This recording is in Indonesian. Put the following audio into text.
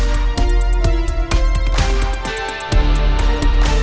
dan dikitaran aku oppression